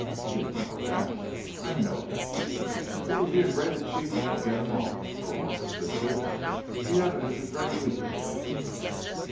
"You know that?" "I know that." "It would be a great achievement to get him off," Wilmore persisted. "The evidence is very weak in places."